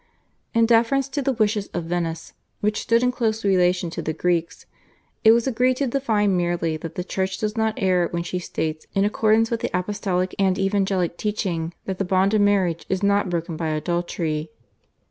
In deference to the wishes of Venice, which stood in close relation to the Greeks, it was agreed to define merely that the Church does not err when she states in accordance with the apostolic and evangelic teaching that the bond of marriage is not broken by adultery.